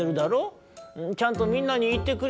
ちゃんとみんなにいってくれたかい？